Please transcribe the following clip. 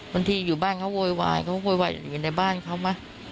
อยู่บ้านเขาโวยวายเขาโวยวายอยู่ในบ้านเขาไหม